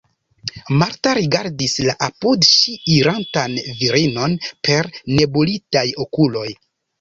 Marta rigardis la apud ŝi irantan virinon per nebulitaj okuloj.